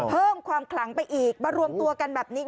เพิ่มความขลังไปอีกมารวมตัวกันแบบนี้